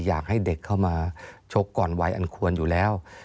อยากให้เด็กเข้ามาชกก่อนวัยอันควรอยู่แล้ว